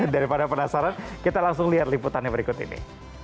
daripada penasaran kita langsung lihat liputannya berikut ini